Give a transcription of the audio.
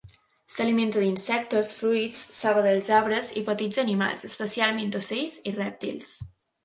S'alimenten d'insectes, fruits, saba dels arbres i petits animals, especialment ocells i rèptils.